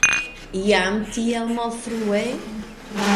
Jam tiel malfrue?